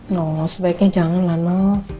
no sebaiknya jangan lah no